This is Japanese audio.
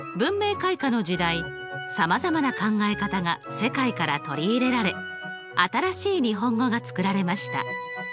開化の時代さまざまな考え方が世界から取り入れられ新しい日本語が作られました。